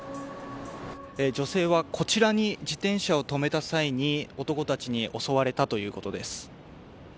女性はこちらに自転車を止めた際に男たちに襲われたということです。